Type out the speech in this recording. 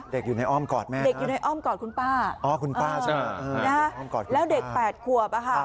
เด็กอยู่ในอ้อมกอดแม่คุณป้าแล้วเด็กแปดควบ